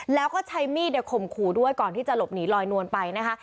แล้วก็ใช้มีดข่มขู่ด้วยก่อนที่จะหลบหนีลอยนวลไปนะคะ